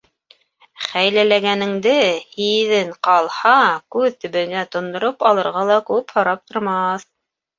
Хәйләләгәнеңде һиҙен ҡалһа, күҙ төбөңә тондороп алырға ла күп һорап тормаҫ.